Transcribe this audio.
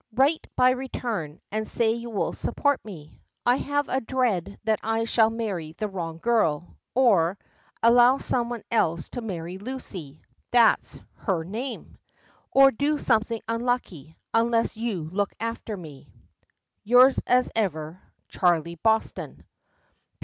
Write by return, and say you will support me: I have a dread that I shall marry the wrong girl, or allow some one else to marry Lucy that's her name! or do something unlucky, unless you look after me. "Yours, as ever, "CHARLEY BOSTON.